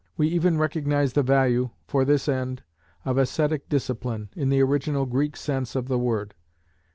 We even recognize the value, for this end, of ascetic discipline, in the original Greek sense of the word.